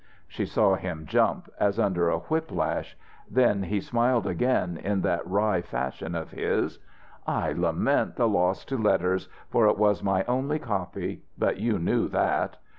She saw him jump, as under a whip lash. Then he smiled again, in that wry fashion of his. "I lament the loss to letters, for it was my only copy. But you knew that."